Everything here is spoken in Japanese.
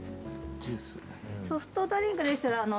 ソフトドリンクでしたら。